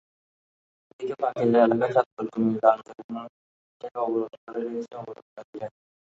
এদিকে বাকিলা এলাকায় চাঁদপুর-কুমিল্লা আঞ্চলিক মহাসড়ক ভোর থেকে অবরোধ করে রেখেছে অবরোধকারীরা।